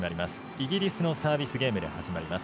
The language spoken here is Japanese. イギリスのサービスゲームで始まります。